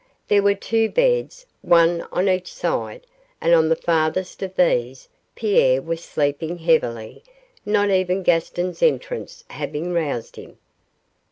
There were two beds, one on each side, and on the farthest of these Pierre was sleeping heavily, not even Gaston's entrance having roused him.